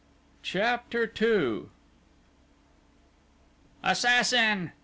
CHAPTER II "Assassin!"